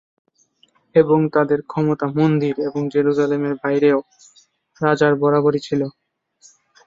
এবং তাদের ক্ষমতা মন্দির এবং জেরুজালেমের বাইরেও, রাজার বরাবরই ছিল।